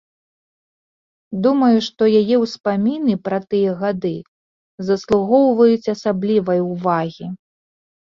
Думаю, што яе ўспаміны пра тыя гады заслугоўваюць асаблівай увагі.